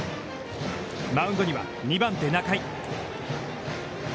マウンドには２番手、仲井。